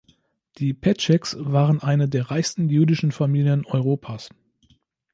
Die Petscheks waren eine der reichsten jüdischen Familien Europas.